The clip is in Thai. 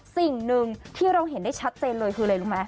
สิ่งหนึ่งที่เราเห็นได้ชัดเจนเลยคืออะไรรู้ไหม